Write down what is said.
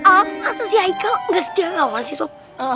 asal si aika gak setia kawan sih sob